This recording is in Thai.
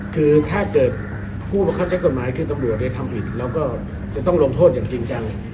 คือถ้าเกิดผู้บังคับใช้กฎหมายคือตำรวจได้ทำผิดเราก็จะต้องลงโทษอย่างจริงจัง